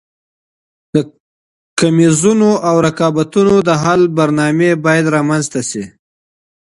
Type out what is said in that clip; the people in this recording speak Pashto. د کميزونو او رقابتونو د حل برنامې باید رامنځته سي.